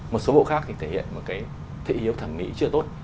một số bộ khác thì thể hiện một cái thị hiếu thẩm mỹ chưa tốt